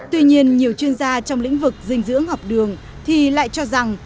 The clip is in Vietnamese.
tuy nhiên nhiều chuyên gia trong lĩnh vực dinh dưỡng học đường thì lại cho rằng